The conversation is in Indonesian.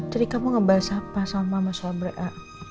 jadi kamu ngebahas apa sama mas wabrek a